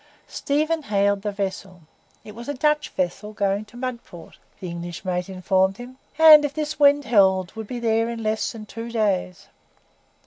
Stephen hailed the vessel. It was a Dutch vessel going to Mudport, the English mate informed him, and, if this wind held, would be there in less than two days.